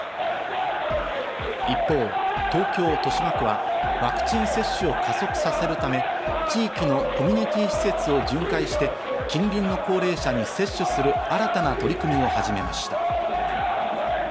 一方、東京・豊島区はワクチン接種を加速させるため、地域のコミュニティー施設を巡回して近隣の高齢者に接種する新たな取り組みを始めました。